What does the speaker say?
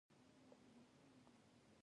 د بامیانو ککرک د بودايي هنر موزیم دی